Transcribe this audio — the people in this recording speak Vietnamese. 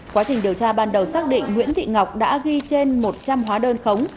quá trình điều tra ban đầu xác định nguyễn thị ngọc đã ghi trên một trăm linh hóa đơn khống